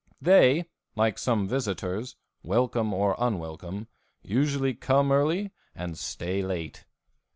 They, like some visitors, welcome or unwelcome, usually come early and stay late.